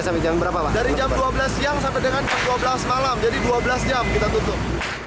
dari jam dua belas siang sampai dengan jam dua belas malam jadi dua belas jam kita tutup